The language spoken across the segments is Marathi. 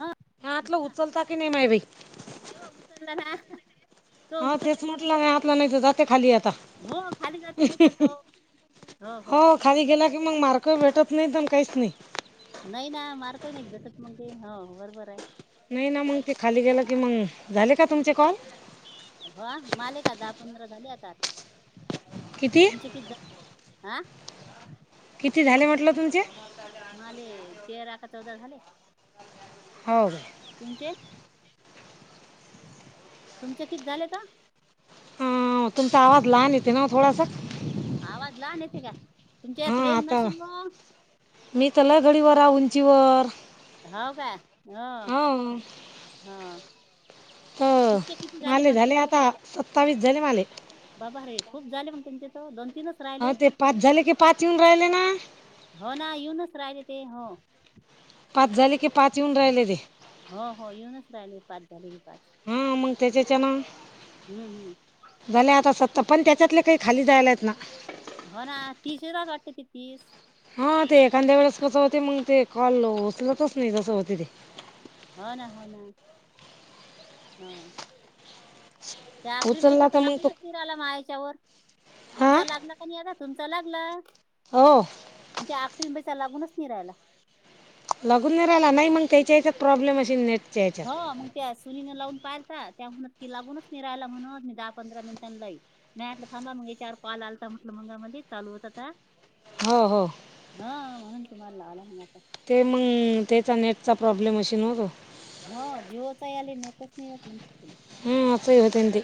हा ह्यातलं बोला उचलता की नाही माय बाई. नाही ओ उचलला ना. तो हा तेच उचलला का म्हटलं नाही काय हातला वगैरे नाही तर जाते खाली आता हो खाली जातं नाही तर तो हा हा. हो खाली गेला की मंग मार्क भेटत नाही पण काहीच नाही. नाही ना मार्क नाहीत भेटत मग ते हा बरोबर आहे. नाही ना मंग ते खाली गेलं की मंग झाले का तुमचे कॉल? हा माले का दहा पंधरा झाले आता किती तुमचे कित हां. किती झाले म्हटलं तुमचे? माले तेरा का चौदा झाले. हो गाय. तुमचे तुमच्या कित झालंय का? हां तुमचा आवाज लहान येते ना थोडसा. आवाज लहान येते का हा तुमच्यात रेन आता नशील गं. मी त्याला घडीवरा उंचीवर हाव का अं हा हा. त माले झाले आता सत्तावीस झाले माले. बाबा रे खूप झाले मंग तुमचे तर दोन तीनच अहो राहिले ते पाच झाले की पाच येऊन राहिले ना. हो ना येऊनच राहिले ते हां पाच झाले की पाच येऊन राहिलेले. हो हो येऊनच राहिले पास झाले की पाच. हा मंग त्याच्याच्या ना. हम्म हम्म. झाले आता स्वतः पण त्याच्यातले काही खाली जायलात ना. हो ना तिशेरा काटते ते तीस. हा ते एखाद्या वेळेस कसं होते, मग ते कॉल ऊचलतच नाही असं होतंय ते. हो ना हो ना हां. त्या आख्रीम बेच उचलला तर मग तो लागूनच नये. झाला माया हेच्यावर. हां तुमचा लागला का नाही आता तुमच लागला. ओ आणि ते आखरीन पैसा लागूनच नाही राहिला. लागून नाही राहिला. नाही मग त्याच्या हेच्यात प्रॉब्लेम असेल नेट हां मंग त्या सुनीने लावून पालता त्या म्हणत की लागूनच नाही राहायला म्हणत मी दहा पंधरा मिनिटां लाईन. मी म्हटलं थांबा मंग हे चार कॉल आलता म्हटलं मगा अमाली चालू होतं त्या. हो हो. हा म्हणून तुम्हाला लावला मी आता. ते मंग त्याचा नेटचा प्रॉब्लेम अशी नव्हतो. हा जीवच आय आले नेटच नाही राहत मंग. हा असं होतंय ना ते.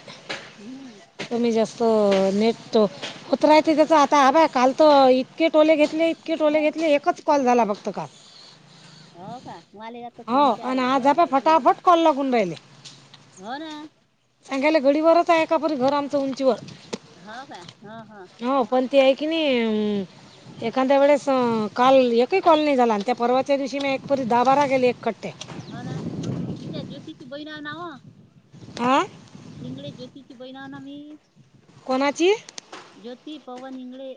हम्म कमी जास्त नेट तो कुत्रा आहे तिथे चावता हा बघ काल तर इतके टोले घेतले इतके टोले हो घेतले एकच कॉल झाला फक्त काल. हो का माले आता हो तीन चार आणि झाले आज हा बाय फटाफट [unintelligible] कॉल लागून राहिले हो ना. सांगायला घडीवरच आहे का परी घर आमचं उंचीवर. होय काय? हो हो. हो पण ते आहे क नी उम्म एखांद्या वेळेस काल एकही कॉल नाही झाला आणि त्या परवाच्या दिवशी मी एक परी दहा बारा गेले एक कट ते. हो ना मी त्या ज्योतीची बहीणा नाव आयं निंगडे जोशीची बहीण आहे ना मी. कोणाची ज्योती पवन हिंगळे,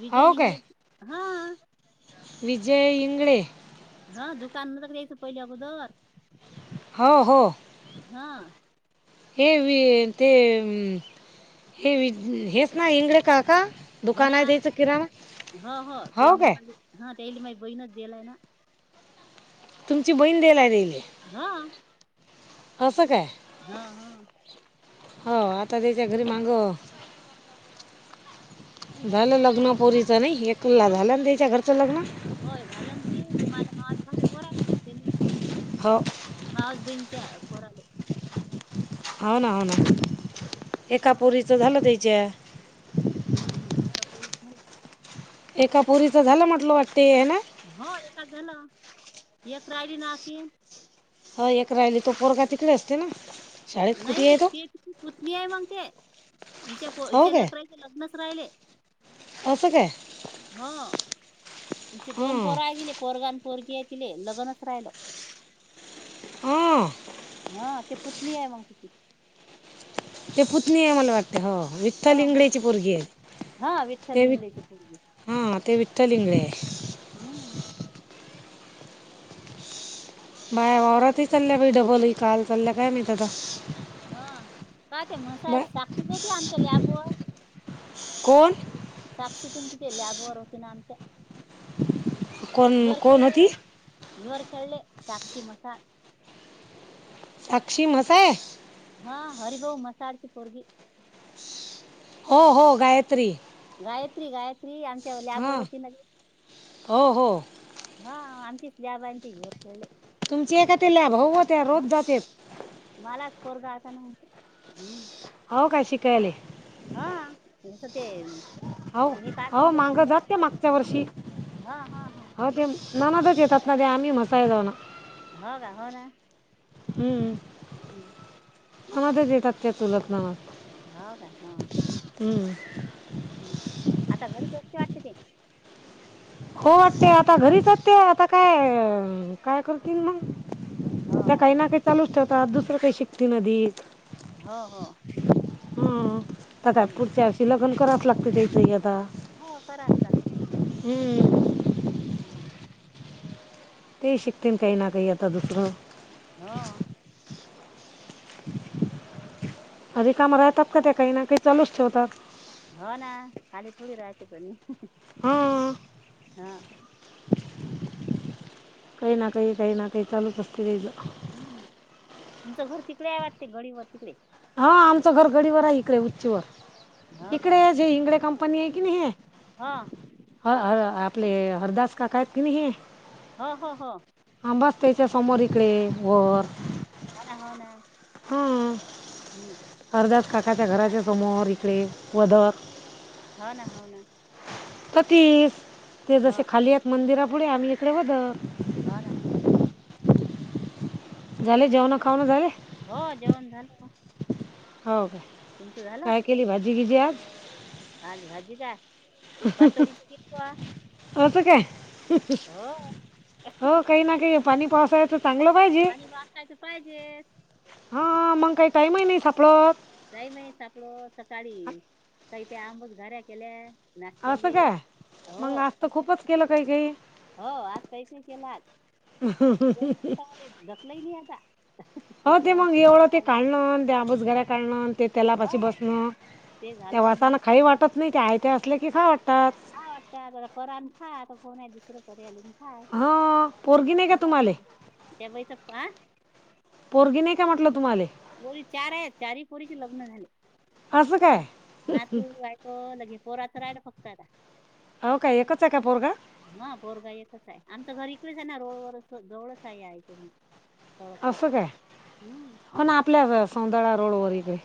विजय हो काय हिंगळेची हा. विजय इंगळे. हा दुकान तच [unintelligible] पहिली अगोदर. हो हो. हा हे वि अं ते हे वि हेच ना एंगळे काका? हो दुकान ना. आहे द्यायचं किराणा हो हो ते मग मली हं त्याली माझी बहीणच दिलाय ना. तुमची बहीण तेला दिले. हां. असा काय हा हा. हो आता त्याच्या घरी मांगव. झालं लग्न पोरीच नाही हे, एकला हो झालं ना त्याच्या घरचं लग्न. होय झालं ना ते, ते मला माझ भाषा बर हो. मावस बहीच्या पोराले. हो ना हो ना, एका हा पोरीच झालं त्याच्या. हम् हम. [unintelligible] झालं. एका पोरीचं झालं म्हटलं वाटते ना. हो एखादं झालं, एक राहिली ना आणखीन. हो एक राहिली, तो पोरगा तिकडे असते ना. शाळेत कुठे आहे नाही तो ते तिची पुतनी आहे मग ते, हिच्या प हो हिच्या काय लेकराचे लग्नच राहिले. असं काय. हां.. हिचे दोन हां पोरा आहे गेले, पोरगा आणि पोरगी आहे तिले लग्नच राहिल. आं. हां. तेची पुत्नी आहे मग तिची. ते पुत्नी आहे मला वाटते हो, विठ्ठल हा ल हा इिंँआोऐऐगलीची परगी आहेत हा विठ्ठल ते वि् इंगळेची पोरगी हां.. ते विठ्ठल इंगळे ये. हम. बाय वावरातही चालल्या बाय, डबल काल चालल्या काय मी आता. हा काय ते म्हसाय बा साक्षी जाती आमच्याला लॅबवर. कोण. साक्षी तून तिथे लॅबवर, होती ना आमच्या. कोण वर कोण खेळले होती वर खेळले साक्षी मसा. साक्षी म्हैस ये. हां.. हरी भाऊ मसाळची पोरगी. हो हो गायत्री. ‌ गायत्री गायत्री आमच्या लॅबवर हां होती ना ती. हो हो हां.. आमची स्लॅब अं वर करले. तुमची ए का ते लॅब होऊ हो, त्याला रोज जाते. मलाच पोरगा आता नव्हतं हम्म. हो का शिकाले. हां.. तसं ते. हौ. हौ.. हे काढते ना अह तो मागं ब्लड जात ते, काढ मागच्या वर्षी हा हा हा अ ते रानतच येतात ना त्या, आम्ही मसाय दाना. ह का, हो ना. हम्म. हम्म. होवू दे की मगं [unintelligible] हं का हं. हम. हम्म. आता घरीच अस्ते वाटते ते. हो वाटते आता घरीचते आता, काय काय करतील मग. हो त्या हो काही ना काही चालूच ठेवतात, दुसरं काही शिकते [unintelligible] हो हो. हं.. त्या हम्म. पुढच्या अशी लग्नं कराच लागते, त्यासनी आता. हो, करावच लागते. हम्म. हम्म. ते शिकतेन काही ना, काही आता दुसरं. ह.. अधिक काम राहतात का त्या, काही ना काही चालूच ठेवतात. हो ना खाली थोडी राहाते तनी हां हा. काही ना काही, काही ना काही चालूच असते त्याचं. उम्म तुमचं घर तिकडे आहे वाटते गडी वर तिकडे. हा आमचा गडीवर आहे इकडे उचीवर. हो का इकडे जे इंगळे कंपनी आहे की नाही हे हो ह अ आपले हरदास काका आहेत की नाही हे हा हा हा. हा बस त्याच्या समोर इकडे वर. हो ना हो ना हा हम्म. हरदास काकाच्या घराच्या समोर इकडे वदर. हा ना हाव ना. तथीच ते हो जसे खाली आहेत मंदिरा पुुढे आम्ही इकडे वदं. हा ना झाले जेवणं खावनं झाले? हो जेवण झालं. हाव काय? तुमचं झालं? काय केली भाजी गिजी आज आज भाजी का असं काय हो हो काही न काही हे पाणी पावसाळ्याचंच चांगलं पाहिजे पाणी वाचायचं पाहिजे हा आ मंग काय टाईम ही नई सापडत. टाइम ही सापडत सकाळी काही त्या आंबचघाऱ्या केल्या. असं नाश्त्याले काय मग हो आज तर खूपच केलं काही काही हो आज काहीच नाही केलं आज. ह चालेल ढकलय नाही आता. हो ते जेवण मंग सकाळी एवढं ते खाल्लं काढलन दे आबोज घरा काढलन ते हो तेलापाशी बसणं ते झालं आणि मग वासाना खाई वाटत नाही ते आयते असले की खाउ वाटतात. खा वाटते तर करा अन खा, कोन आहे दुसर करायले. हा पोरगी नाही का तुम्हाले? त्या बाईचा पा पोरगी नाही का म्हटलं तुम्हाले? पोरी चार आहेत चारी पोरीचे लग्न झाले असं काय नातू वाय हो लगे पोरात रायला फक्त आता. आव काय एकच आहे का पोरगा? हा पोरगा एकच आहे आमचं घर इकडेच आहे ना रोड वर जवळच आहे ह्या इथून. असं काय हो ना आपल्या र सौंदळा रोडवर इथे.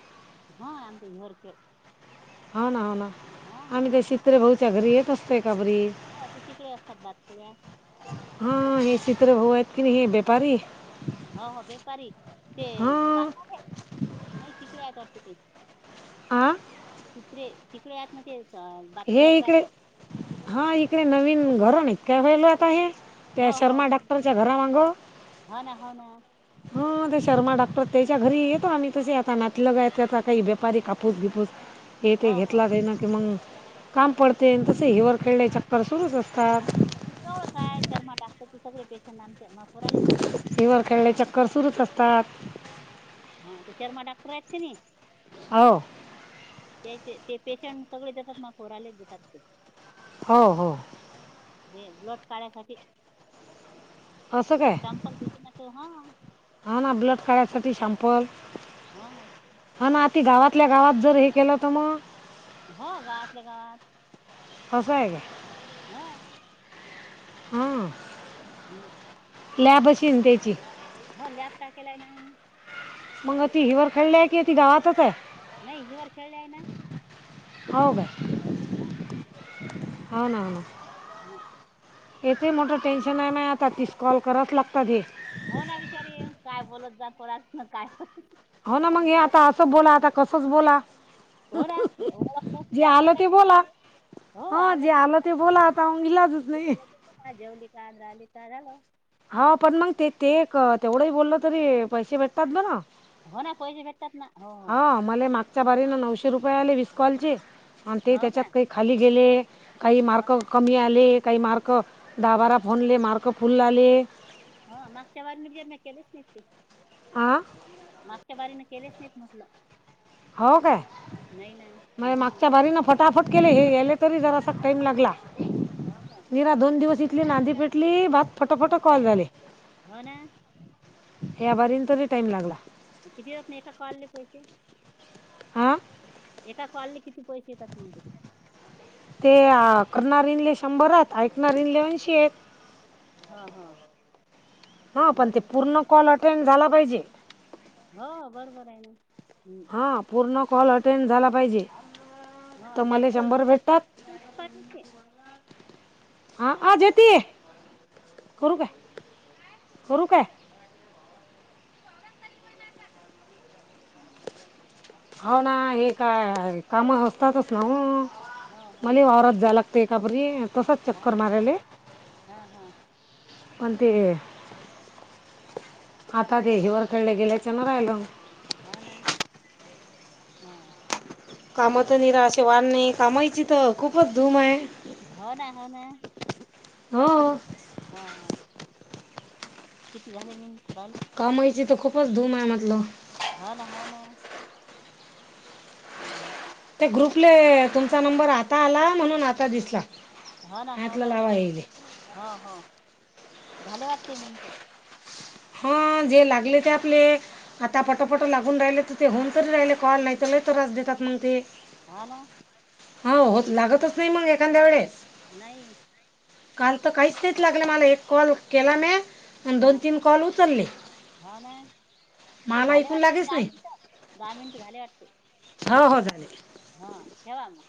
हा आमच्या हे हिवरते. हाव ना हाव ना आम्ही ते शीत्रे भाऊच्या घरी येत असतय का बरी. हो ते तिकडे असतात बातकिळ्या हा हे शीत्रे भाऊ आहेत की नाही हे व्यापारी हा हा बेपारी ते हां दुकान आहे नाही तिकडे आहेत वाटतं ते. आं तिकडे तिकडे हायतना तेचा हे इकडे हा इकडे नवीन घरून इतके व्हायलो आता हे. त्या हो हो शर्मा नाही डाक्टरच्या घरा मांगं हो ना हो ना हा ते शर्मा डाक्टर त्याच्या घरी येतो आम्ही तसे आता नातलगाय त्याचा काही व्यापारी का कापूसबीपूस हे ते हो हो घेतला त्याएन त मग काम पडते तसे हिवर खेळले चक्कर सुरूच असतात. सवळं काय शर्म टाकत, क सगळे पेशंट आमचे ना. हिवर खेळले चक्कर सुरूच असतात. हा ते शर्मा डॉक्टर आहेत की नी अओ त्या ते पेशंट सगळे देतात म फोरालेच देतात ते. हो हो. हे ब्लड काढयसाठी असं काय सांपल घेते ना तो हा. हा ना, ब्लड काढायसाठी शॅपल. हा. हो ना ती गावातल्या गावात जर हे केलं तर म हो गावातल्या गावात. असा आहे का? हा. हं हम्म. लॅब पाशीच द्यायची. होल्यात का केलाय ना आम्ही. मंग ती हिवर खेळल्या आहे की ती गावातच आहे? नाही हिवर खेळल्या आहे ना. हाव काय हाव ना हाव ना. हो. याचही मोठं टेन्शन आहे नाही आता तीस कॉल कराच लागतात हे. हो ना विचारी काय बोलत जा कोणास ना काय. हो ना मंग हे आता बोला असं बोला आता कसंच बोला. हो ना ओळख नसते जे जास्त आलो काही ते बोला. नसते हो हा जे की आलं ते, बोला आता इलाजच नाही. हा जेवली कान राअली का झालं. हा पण मंग ते ते क तेवढंही बोललं तरी पैशे भेटतात ब ना. हो ना, पैसे भेटतात ना हो.. मले ही मागच्या बारीनें नऊशे रुपये आले वीस कॉलचे आणि ते हो त्याच्यात का काही खाली गेले काही हो ना? मार्क कमी आले काही मार्क दहा बारा फोनले मार्क फुल आले. हा मागच्या वारणीत [unintelligible] केलेच नाही ते. आं मागच्या बारीने केलेच नाहीत म्हटलं. हाव काय नाही ना माय हो मागच्या बारी ना फट टाफट केले हे यायले तरी जरासा टाईम लागला. हाव काय? दोन दिवस इथली नांदी पेटली बात फटाफट हो कॉल झाले. हो ना या बारीने तरी टाइम लागला. म किती आपने एका कॉल ले पैशे? हा. एका कॉलले किती पैशे येतात म्हणजे. ते आ करणारीनले शंभरात ऐकणार इनले ऐंशी आहे. हा हा. हो पण ते पूर्ण कॉल अटेंड झाला पाहिजे. हो बरोबर आहे ना. हा पूर्ण कॉल अटेंड झाला पाहिजे. हो त आणि मले जास्त शंभर भेटतात. जास्त काय नसते हा आ जतीय करू काय करू काय. हाव ना हे काय कामं असतातच ना हो हो हो मले ही वावरात जाय लाग ते खापरी तसच चक्कर हो का मारले. हा हा पण ते आता ते हीवर खेळले गेल्याचे ना राहिलं. हा ना हा. कामात निराे वाढ नाही कामायची तर खूपच धूम आहे. हो ना हो ना. हो. हा, हा. किती झाले मिनट झाले? कमाईची तर खूपच धूम आहे म हो ना हो ना. ह. ते ग्रुपले तुमचा नंबर आता आला म्हणून आता दिसला. हो ना हो हातला ना लावा येईल हो हो झाले वाटते मिनटो. हो जे लागले ते आपले. आता पटोपट लागून राहिले तर ते होन कररी राहिले कॉल नाही तर ल त्रच देतात मग ते हो ना हो होत लागतच नाही मंग एखाद्या वेळे. नाही. काल तर काहीच तेच लागलं मला एक कॉल केला ने. आणि दोन ह तीन कॉल उचलले हो ना हे मला झाले ऐकून वाटते लागेच दहा नाही. मिनिट दहा मिनट झाले वाटते. हो हो झाले. हा टेवा म.